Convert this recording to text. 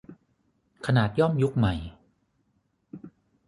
ขนาดย่อมยุคใหม่